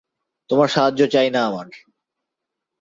তোমার সাহায্য চাই না আমার।